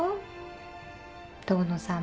遠野さんも。